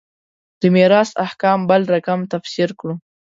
د میراث احکام بل رقم تفسیر کړو.